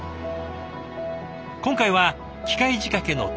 今回は機械仕掛けの展示。